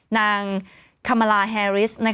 นางคามาลาแฮริส